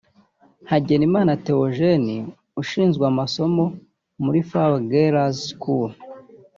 Hagenimana Théogène ushinzwe amasomo muri Fawe Girls’ School